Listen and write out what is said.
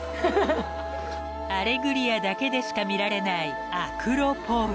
［『アレグリア』だけでしか見られないアクロ・ポール］